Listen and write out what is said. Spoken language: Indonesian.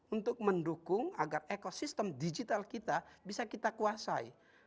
untuk mendukung agar ekosistem digital kita bisa kita kuasai